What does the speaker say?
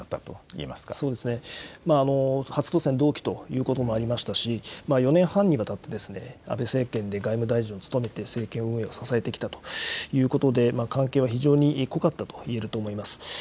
そうですね、初当選、同期ということもありましたし、４年半にわたって安倍政権で外務大臣を務めて、政権運営を支えてきたということで、関係は非常に濃かったと言えると思います。